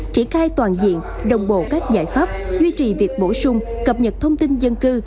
triển khai toàn diện đồng bộ các giải pháp duy trì việc bổ sung cập nhật thông tin dân cư